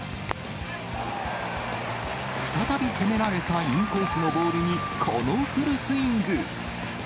再び攻められたインコースのボールに、このフルスイング。